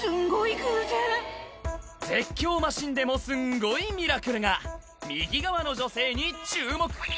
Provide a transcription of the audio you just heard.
偶然絶叫マシンでもすんごいミラクルが右側の女性に注目